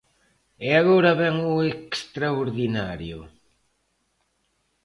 E agora vén o extraordinario.